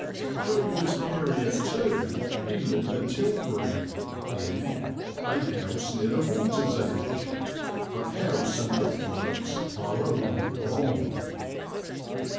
During this period, too, he lived at Tilbury, in "a house near the water's edge," but house and brickworks are alike gone.